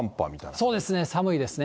そうですね、寒いですね。